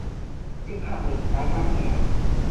即刻嚟，大單嘢